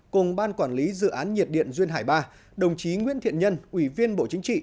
cùng ban quản lý dự án nhiệt điện duyên hải ba đồng chí nguyễn thiện nhân ủy viên bộ chính trị